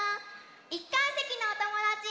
１かいせきのおともだち！